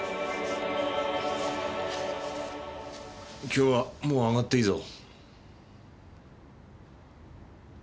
今日はもう上がっていいぞ。